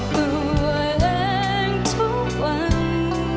บอกตัวเองทุกวัน